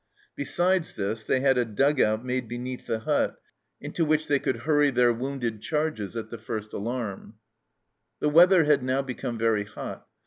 Besides this they had a dug out made beneath the hut into which they 81 THE CELLAR HOUSE OF PERVYSE could hurry their wounded charges at the first alarm. The weather had now become very hot.